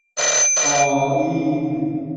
آئین